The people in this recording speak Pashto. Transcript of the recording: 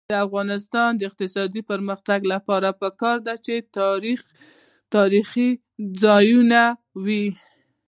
د افغانستان د اقتصادي پرمختګ لپاره پکار ده چې تاریخي ځایونه وي.